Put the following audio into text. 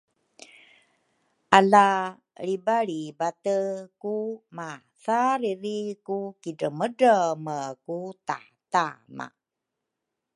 Ala lribalribate ku mathariri ku kidremedreme ku tatama